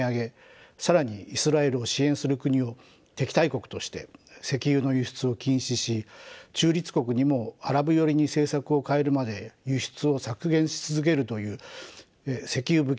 更にイスラエルを支援する国を敵対国として石油の輸出を禁止し中立国にもアラブ寄りに政策を変えるまで輸出を削減し続けるという石油武器戦略を発動しました。